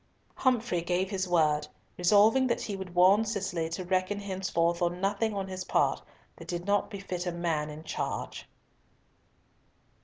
Humfrey gave his word, resolving that he would warn Cicely to reckon henceforth on nothing on his part that did not befit a man in charge.